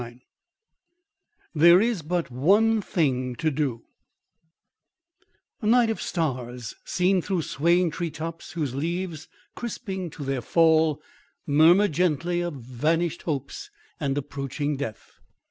XXIX "THERE IS BUT ONE THING TO DO" A night of stars, seen through swaying tree tops whose leaves crisping to their fall, murmured gently of vanished hopes and approaching death.